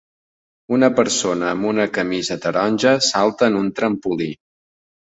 Una persona amb una camisa taronja salta en un trampolí